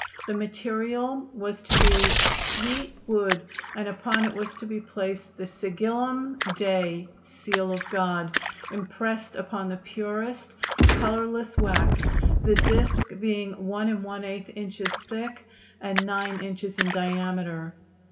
The material was to be "swete wood" and upon it was to be placed the Sigillum Dei (Seal of God) impressed upon the purest, colorless wax, the disk being 1⅛ inches thick and 9 inches in diameter.